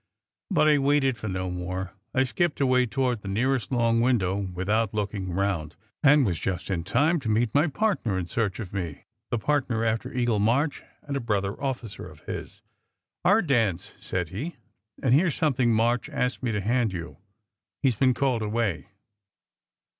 But I waited for no more. I skipped away toward the nearest long window without looking round, and was just in time to meet my partner in search of me, the partner after Eagle March, and a brother officer of his. "Our dance," said he, " and here s something March asked me to hand you. He s been called away."